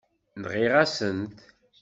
Nɣiɣ-asen-t.